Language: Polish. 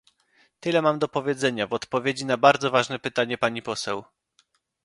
Tyle mam do powiedzenia w odpowiedzi na bardzo ważne pytanie pani poseł